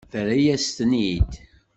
Terra-yas-ten-id.